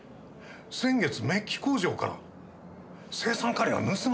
先月メッキ工場から青酸カリが盗まれてたんです。